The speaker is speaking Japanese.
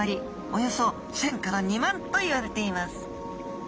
およそ１，０００２万といわれています